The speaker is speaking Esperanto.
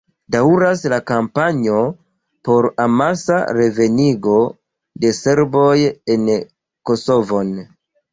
Daŭras la kampanjo por amasa revenigo de serboj en Kosovon.